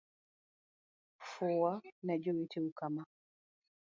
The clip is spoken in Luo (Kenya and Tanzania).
Fuwa ne joweteu kama.